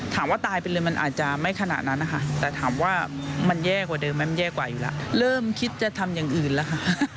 ถามว่าตายไปเลยมันอาจจะไม่ขนาดนั้นนะคะแต่ถามว่ามันแย่กว่าเดิมไหมมันแย่กว่าอยู่แล้วเริ่มคิดจะทำอย่างอื่นแล้วค่ะ